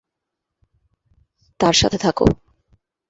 তার সাথে থাকো।